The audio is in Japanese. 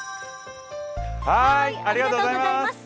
ありがとうございます。